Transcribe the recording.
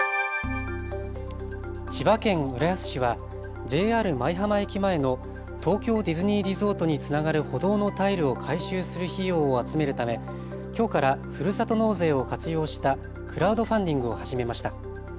千葉県浦安市はＪＲ舞浜駅前の東京ディズニーリゾートにつながる歩道のタイルを改修する費用を集めるため、きょうからふるさと納税を活用したクラウドファンディングを始めました。